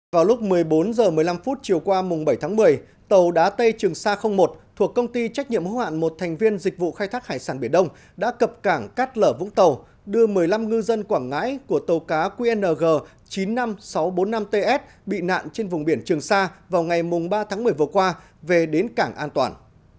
vào lúc một mươi bốn h một mươi năm chiều qua mùng bảy tháng một mươi tàu đá tây trường sa một thuộc công ty trách nhiệm hóa hạn một thành viên dịch vụ khai thác hải sản biển đông đã cập cảng cát lở vũng tàu đưa một mươi năm ngư dân quảng ngãi của tàu cá qng chín mươi năm nghìn sáu trăm bốn mươi năm ts bị nạn trên vùng biển trường sa vào ngày mùng ba tháng một mươi vừa qua về đến cảng an toàn